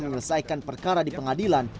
mengelesaikan perkara di pengadilan